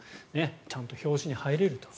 ちゃんと表紙に入れると。